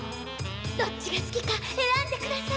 どっちが好きか選んで下さい